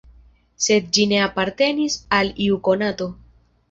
Sed ĝi ne apartenis al iu konato.